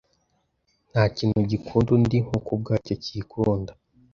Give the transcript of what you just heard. Ntakintu gikunda undi nkuko ubwacyo kikunda